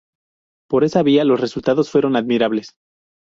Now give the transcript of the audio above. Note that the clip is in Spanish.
Por esa vía los resultados fueron admirables.